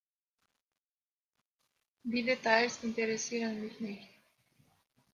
Die Details interessieren mich nicht.